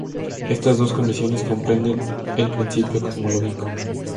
Estas dos condiciones comprenden el principio cosmológico.